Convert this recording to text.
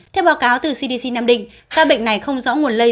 theo báo cáo từ cdc nam định ca bệnh này không rõ nguồn lây